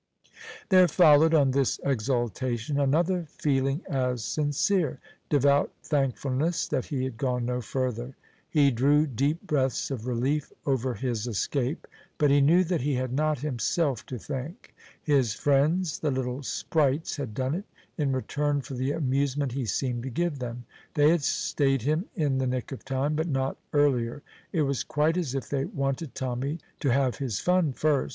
There followed on this exultation another feeling as sincere devout thankfulness that he had gone no further. He drew deep breaths of relief over his escape, but knew that he had not himself to thank. His friends, the little sprites, had done it, in return for the amusement he seemed to give them. They had stayed him in the nick of time, but not earlier; it was quite as if they wanted Tommy to have his fun first.